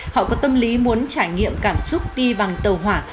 họ có tâm lý muốn trải nghiệm cảm xúc đi bằng tàu hỏa